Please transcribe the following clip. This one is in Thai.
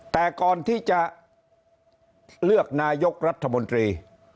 แต่ก่อนที่จะเลือกนายกรัฐมนตรี